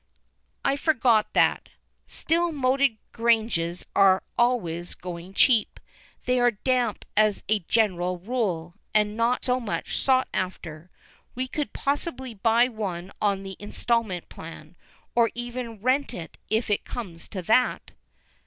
"I forgot that. Still, moated granges are always going cheap. They are damp as a general rule, and not much sought after. We could possibly buy one on the instalment plan, or even rent it if it came to that."